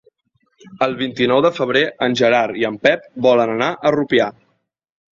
El vint-i-nou de febrer en Gerard i en Pep volen anar a Rupià.